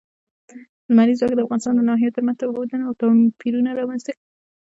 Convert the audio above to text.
لمریز ځواک د افغانستان د ناحیو ترمنځ تفاوتونه او توپیرونه رامنځ ته کوي.